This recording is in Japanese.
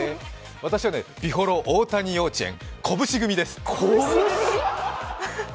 僕は美幌大谷幼稚園、こぶし組です。